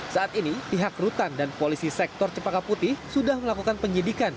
saat ini pihak rutan dan polisi sektor cepaka putih sudah melakukan penyidikan